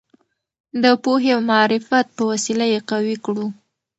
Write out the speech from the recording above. د پوهې او معرفت په وسیله یې قوي کړو.